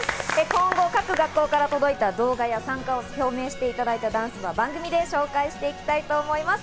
今後、各学校から届いた動画や参加を表明していただいたダンス部は番組で紹介していきたいと思います。